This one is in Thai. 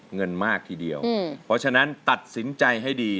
เงินมากทีเดียวเพราะฉะนั้นตัดสินใจให้ดี